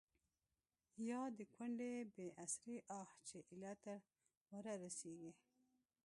يا َد کونډې بې اسرې آه چې ا يله تر ورۀ رسيږي